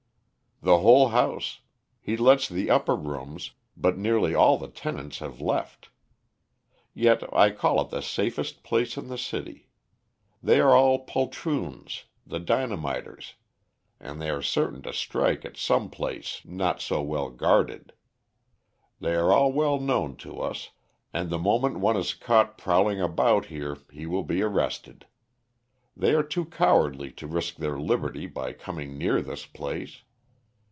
"The whole house. He lets the upper rooms, but nearly all the tenants have left. Yet I call it the safest place in the city. They are all poltroons, the dynamiters, and they are certain to strike at some place not so well guarded. They are all well known to us, and the moment one is caught prowling about here he will be arrested. They are too cowardly to risk their liberty by coming near this place.